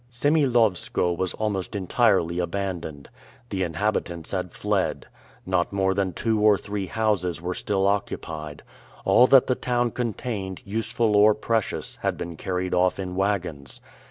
Semilowskoe was almost entirely abandoned. The inhabitants had fled. Not more than two or three houses were still occupied. All that the town contained, useful or precious, had been carried off in wagons.